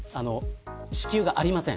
支給がありません。